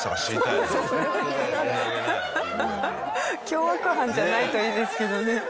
凶悪犯じゃないといいですけどね。